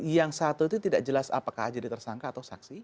yang satu itu tidak jelas apakah jadi tersangka atau saksi